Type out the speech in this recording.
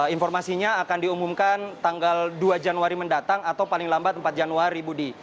informasinya akan diumumkan tanggal dua januari mendatang atau paling lambat empat januari budi